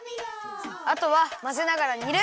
あとはまぜながらにる！